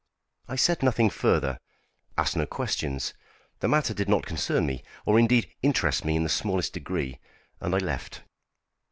I said nothing further; asked no questions. The matter did not concern me, or indeed interest me in the smallest degree; and I left.